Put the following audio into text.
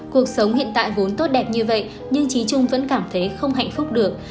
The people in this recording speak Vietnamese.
cuộc sống hiện tại vốn tốt đẹp như vậy nhưng trí trung vẫn cảm thấy không hạnh phúc được